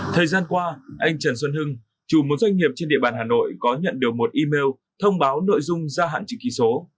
thời gian qua anh trần xuân hưng chủ một doanh nghiệp trên địa bàn hà nội có nhận được một email thông báo nội dung gia hạn chữ ký số